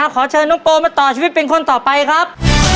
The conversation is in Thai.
ขอบอกนะครับขอเชิญน้องโปรมาต่อชีวิตเป็นคนต่อไปครับ